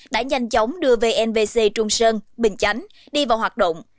đã nhanh chóng đưa vnpc trung sơn bình chánh đi vào hoạt động